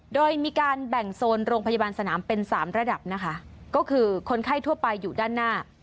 โดยมีการแบ่งโซนโรงพยาบาลสนามเป็นสามระดับนะคะก็คือคนไข้ทั่วไปอยู่ด้านหน้า